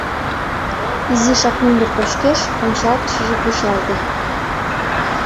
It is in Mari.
Изишак мӱндыр точкеш ончалтышыже кучалте.